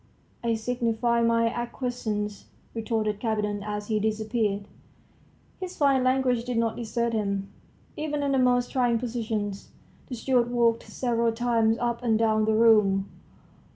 "I signify my acquiescence," retorted Kapiton as he disappeared. His fine language did not desert him, even in the most trying positions. The steward walked several times up and down the room.